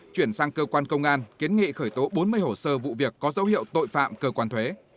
chuyển sang cơ quan công an kiến nghị khởi tố bốn mươi hồ sơ vụ việc có dấu hiệu tội phạm cơ quan thuế